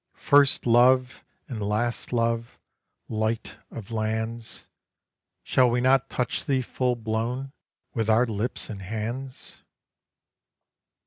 First love and last love, light of lands, Shall we not touch thee full blown with our lips and hands?